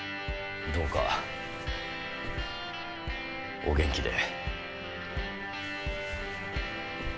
どうかお元気で